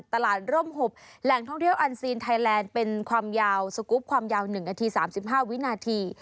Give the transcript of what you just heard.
ร่มหบแหล่งท่องเที่ยวอันซีนไทยแลนด์เป็นความยาวสกรูปความยาว๑นาที๓๕วินาที